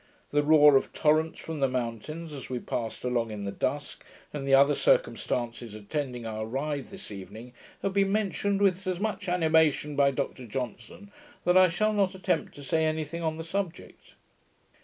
The roar of torrents from the mountains, as we passed along in the dusk, and the other circumstances attending our ride this evening, have been mentioned with so much animation by Dr Johnson, that I shall not attempt to say any thing on the subject.